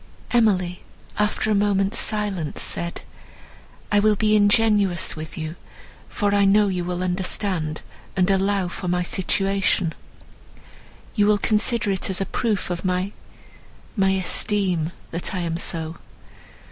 Emily, after a moment's silence, said, "I will be ingenuous with you, for I know you will understand, and allow for my situation; you will consider it as a proof of my—my esteem that I am so.